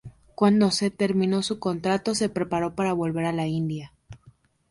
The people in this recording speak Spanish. Cuando se terminó su contrato, se preparó para volver a la India.